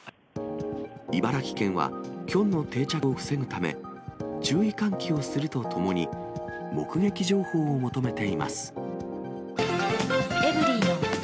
茨城県は、キョンの定着を防ぐため、注意喚起をするとともに、目撃情報を求めています。